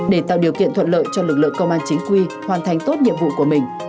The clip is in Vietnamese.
để tạo điều kiện thuận lợi cho lực lượng công an chính quy hoàn thành tốt nhiệm vụ của mình